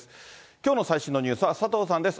きょうの最新ニュースは佐藤さんです。